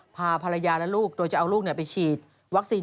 พาภรรยาและลูกโดยจะเอาลูกไปฉีดวัคซีน